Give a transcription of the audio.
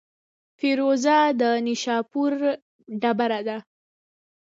فیروزه د نیشاپور ډبره ده.